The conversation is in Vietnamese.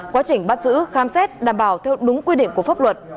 quá trình bắt giữ khám xét đảm bảo theo đúng quy định của pháp luật